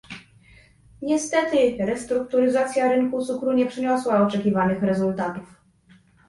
Niestety, restrukturyzacja rynku cukru nie przyniosła oczekiwanych rezultatów